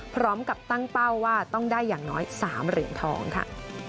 พร้อมกับตั้งเป้าว่าต้องได้อย่างน้อย๓เหรียญทองค่ะ